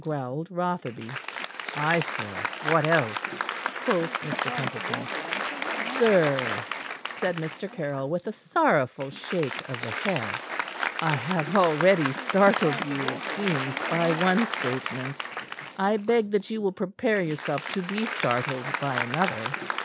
growled Rotherby. "Ay, sir what else?" quoth Mr. Templeton. "Sir," said Mr. Caryll, with a sorrowful shake of, the head, "I have already startled you, it seems, by one statement. I beg that you will prepare yourself to be startled by another."